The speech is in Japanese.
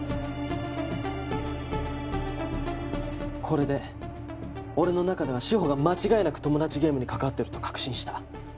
これで俺の中では志法が間違いなくトモダチゲームに関わってると確信した。